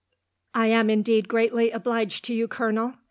"I am indeed greatly obliged to you, Colonel.